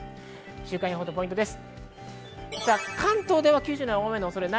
週間予報とポイントです。